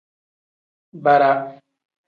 Bara.